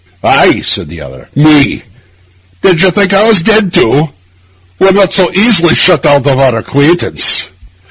'Ay,' said the other, 'me! Did you think I was dead too? We are not so easy shut of our acquaintance.